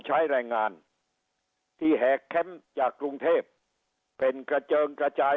ใช้แรงงานที่แหกแคมป์จากกรุงเทพเป็นกระเจิงกระจาย